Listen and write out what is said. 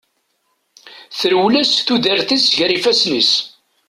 Terwel-as tudert-is gar ifasen-is.